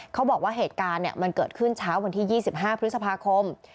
เขาบอกว่าเหตุการณ์มันเกิดขึ้นเช้าวันที่๒๕พฤษภาคม